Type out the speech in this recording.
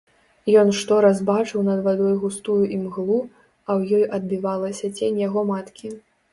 Ён штораз бачыў над вадой густую імглу, а ў ёй адбівалася цень яго маткі.